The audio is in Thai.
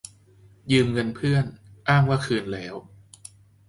- ยืมเงินเพื่อน : อ้างว่าคืนแล้ว